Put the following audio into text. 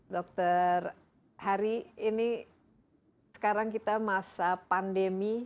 dokter hari ini sekarang kita masa pandemi